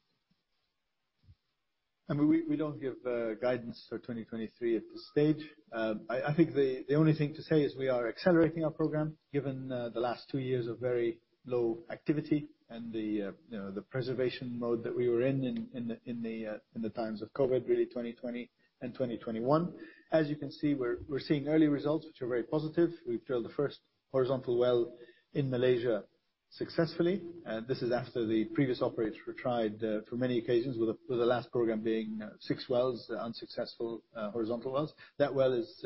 I mean, we don't give guidance for 2023 at this stage. I think the only thing to say is we are accelerating our program given the last two years of very low activity. You know, the preservation mode that we were in the times of COVID, really 2020 and 2021. As you can see, we're seeing early results, which are very positive. We drilled the first horizontal well in Malaysia successfully. This is after the previous operators who tried for many occasions, with the last program being six wells, unsuccessful horizontal wells. That well is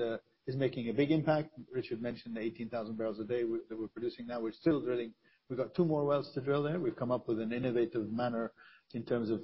making a big impact. Richard mentioned 18,000 barrels a day we're producing now. We're still drilling. We've got two more wells to drill there. We've come up with an innovative manner in terms of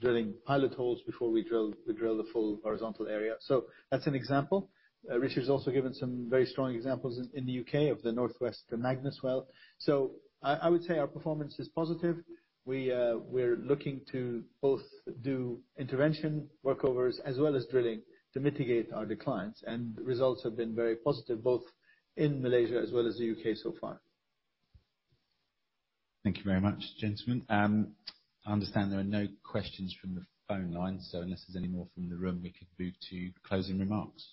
drilling pilot holes before we drill the full horizontal area. So that's an example. Richard's also given some very strong examples in the U.K. of the northwest, the Magnus well. So I would say our performance is positive. We're looking to both do intervention workovers as well as drilling to mitigate our declines. Results have been very positive, both in Malaysia as well as the U.K. so far. Thank you very much, gentlemen. I understand there are no questions from the phone line, so unless there's any more from the room, we can move to closing remarks.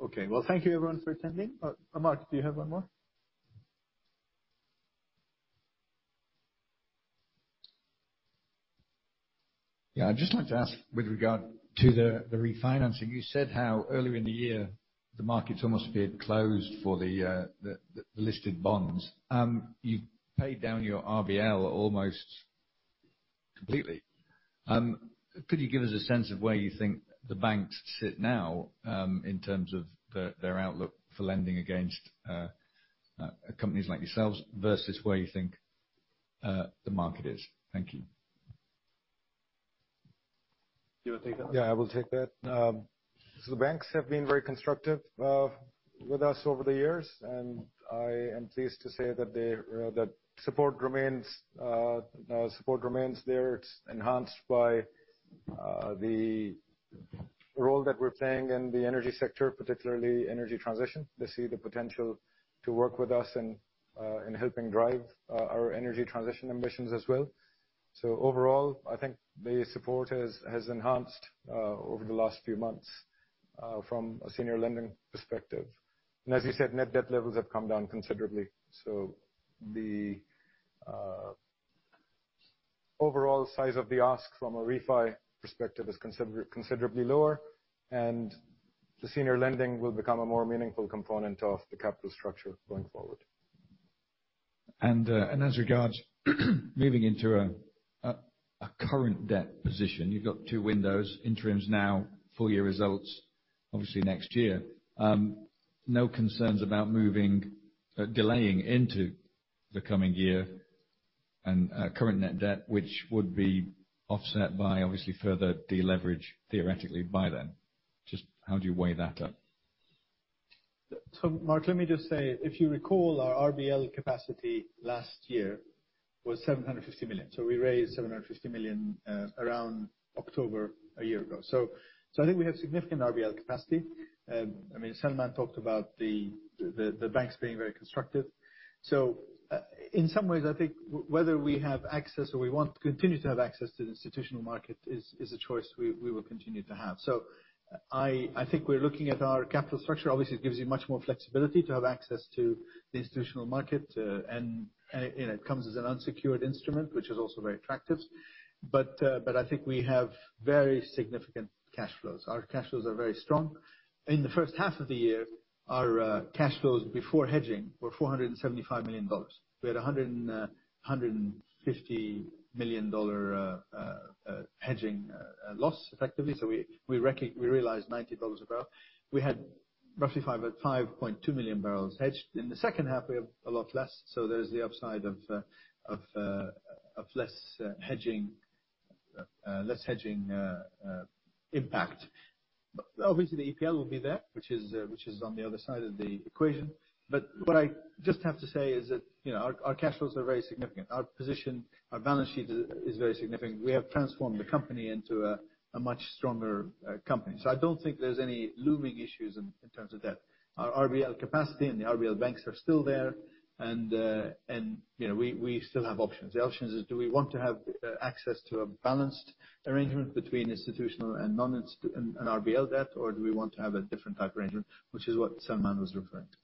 Okay. Well, thank you everyone for attending. Mark, do you have one more? Yeah. I'd just like to ask with regard to the refinancing. You said how earlier in the year, the markets almost appeared closed for the listed bonds. You've paid down your RBL almost completely. Could you give us a sense of where you think the banks sit now, in terms of their outlook for lending against companies like yourselves versus where you think the market is? Thank you. Do you wanna take that one? Yeah, I will take that. The banks have been very constructive with us over the years, and I am pleased to say that support remains there. It's enhanced by the role that we're playing in the energy sector, particularly energy transition. They see the potential to work with us in helping drive our energy transition ambitions as well. Overall, I think the support has enhanced over the last few months from a senior lending perspective. As you said, net debt levels have come down considerably, so the overall size of the ask from a refi perspective is considerably lower, and the senior lending will become a more meaningful component of the capital structure going forward. As regards moving into a current debt position, you've got two windows, interims now, full year results obviously next year. No concerns about moving, delaying into the coming year, and current net debt, which would be offset by obviously further deleverage theoretically by then. Just how do you weigh that up? Mark, let me just say, if you recall, our RBL capacity last year was $750 million. We raised $750 million around October a year ago. I think we have significant RBL capacity. I mean, Salman talked about the banks being very constructive. In some ways, I think whether we have access or we want to continue to have access to the institutional market is a choice we will continue to have. I think we're looking at our capital structure. Obviously, it gives you much more flexibility to have access to the institutional market, and it you know, it comes as an unsecured instrument, which is also very attractive. I think we have very significant cash flows. Our cash flows are very strong. In the first half of the year, our cash flows before hedging were $475 million. We had a hundred and fifty million dollar hedging loss effectively. We realized $90 a barrel. We had roughly 5.2 million barrels hedged. In the second half, we have a lot less, so there's the upside of less hedging impact. Obviously, the EPL will be there, which is on the other side of the equation. What I just have to say is that, you know, our cash flows are very significant. Our position, our balance sheet is very significant. We have transformed the company into a much stronger company. I don't think there's any looming issues in terms of debt. Our RBL capacity and the RBL banks are still there and, you know, we still have options. The options is do we want to have access to a balanced arrangement between institutional and RBL debt or do we want to have a different type of arrangement, which is what Salman was referring to.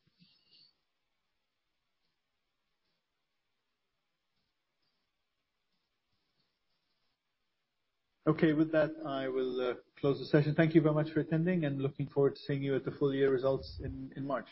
Okay. With that, I will close the session. Thank you very much for attending and looking forward to seeing you at the full year results in March.